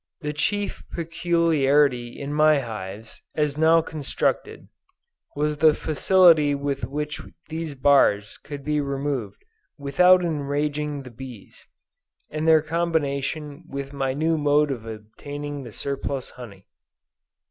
The chief peculiarity in my hives, as now constructed, was the facility with which these bars could be removed without enraging the bees, and their combination with my new mode of obtaining the surplus honey.